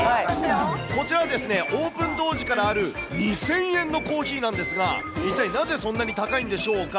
こちら、オープン当時からある２０００円のコーヒーなんですが、一体なぜそんなに高いんでしょうか。